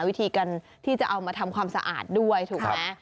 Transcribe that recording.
วิธีการที่จะเอามาทำความสะอาดด้วยถูกไหม